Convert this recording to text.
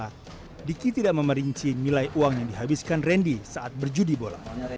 karena diki tidak memerinci nilai uang yang dihabiskan randy saat berjudi bola